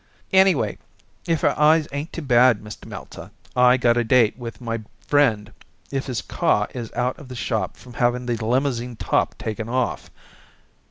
"Anyways, if her eyes ain't too bad, Mr. Meltzer, I got a date with my friend if his car is out of the shop from having the limousine top taken off.